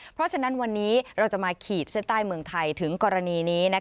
เพราะฉะนั้นวันนี้เราจะมาขีดเส้นใต้เมืองไทยถึงกรณีนี้